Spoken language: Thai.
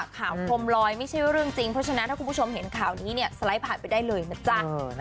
โคมลอยไม่ใช่เรื่องจริงเพราะฉะนั้นถ้าคุณผู้ชมเห็นข่าวนี้เนี่ยสไลด์ผ่านไปได้เลยนะจ๊ะ